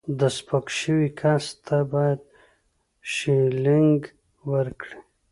د سپک شوي کس ته باید شیلینګ ورکړي.